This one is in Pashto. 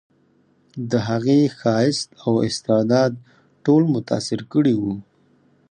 د هغې ښایست او استعداد ټول متاثر کړي وو